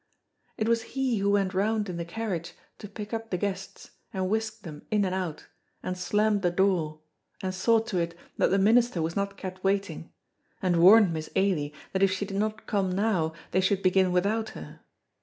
It was he who went round in the carriage to pick up the guests and whisked them in and out, and slammed the door, and saw to it that the minister was not kept waiting, and warned Miss Ailie that if she did not come now they should begin without her.